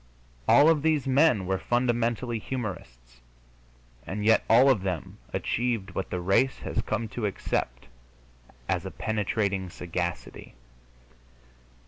All of these men were fundamentally humorists, and yet all of them achieved what the race has come to accept as a penetrating sagacity.